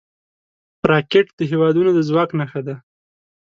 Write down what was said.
راکټ د هیوادونو د ځواک نښه ده